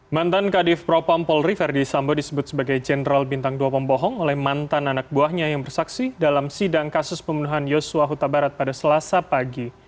mantan kadif propam polri verdi sambo disebut sebagai jenderal bintang dua pembohong oleh mantan anak buahnya yang bersaksi dalam sidang kasus pembunuhan yosua huta barat pada selasa pagi